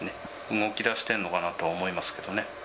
動きだしてるのかなと思いますけどね。